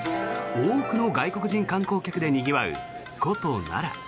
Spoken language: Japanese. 多くの外国人観光客でにぎわう古都・奈良。